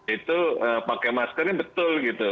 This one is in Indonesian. itu pakai maskernya betul gitu